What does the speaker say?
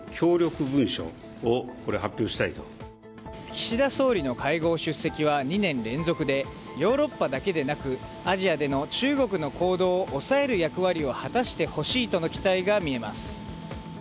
岸田総理の会合出席は２年連続でヨーロッパだけでなくアジアでの中国の行動を抑える役割を果たしてほしいとの期待が見えます。